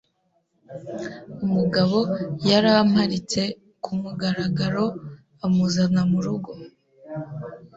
umugabo yaramparitse ku mugaragaroamuzana mu rugo